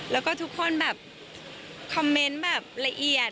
แล้วก็ทุกคนแบบคอมเมนต์แบบละเอียด